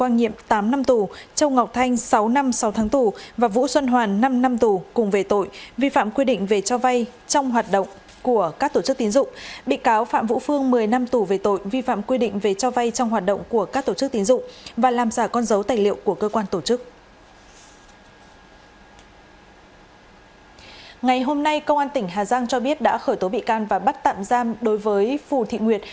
ngày hôm nay công an tỉnh hà giang cho biết đã khởi tố bị can và bắt tạm giam đối với phù thị nguyệt